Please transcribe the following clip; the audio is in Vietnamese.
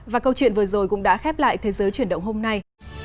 và câu chuyện vừa rồi cũng đã khép lại thế giới chuyển động hôm nay